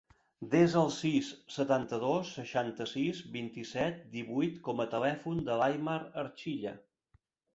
Desa el sis, setanta-dos, seixanta-sis, vint-i-set, divuit com a telèfon de l'Aimar Archilla.